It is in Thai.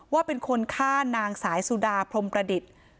ว่าเป็นคนฆ่านางสายสุดาพรมประดิษฐ์